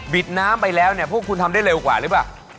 ดน้ำไปแล้วเนี่ยพวกคุณทำได้เร็วกว่าหรือเปล่า